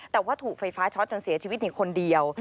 แต่ว่าถูกไฟฟ้าช็อตจนเสียชีวิตในคนเดียว